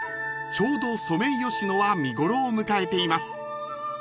［ちょうどソメイヨシノは見頃を迎えています］